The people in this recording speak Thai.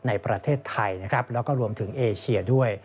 ในประเทศไทยและรวมถึงเอเชียด้วย